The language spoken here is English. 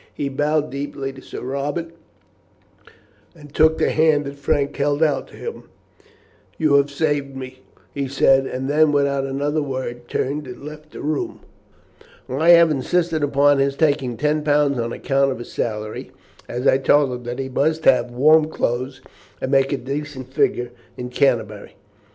He bowed deeply to Sir Robert, and took the hand that Frank held out to him. "You have saved me," he said, and then, without another word, turned and left the room. "I have insisted upon his taking ten pounds on account of his salary, as I told him that he must have warm clothes and make a decent figure in Canterbury.